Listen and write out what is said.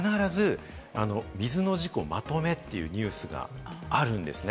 必ず、水の事故まとめっていうニュースがあるんですね。